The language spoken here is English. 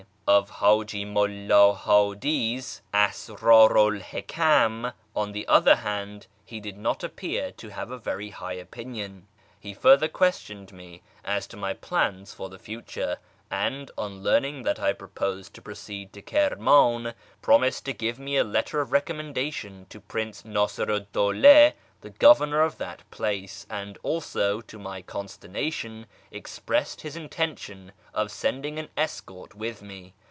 Of Haji Mulla Hadi's Asrdru 'l Hikam, on the other hand, he did not appear to have a very high opinion. He further questioned me as to my plans for the future, and, on learning that I proposed to proceed to Kirmun, promised to give me a letter of recommendation to Prince ISTasiru 'd Dawla, the gover nor of that place, and also, to my consternation, expressed his intention of sending an escort with me.